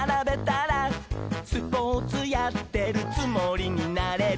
「スポーツやってるつもりになれる」